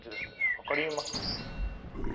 分かりますかね。